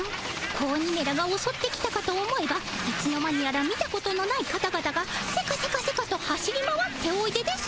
子鬼めらがおそってきたかと思えばいつの間にやら見たことのない方々がセカセカセカと走り回っておいでです。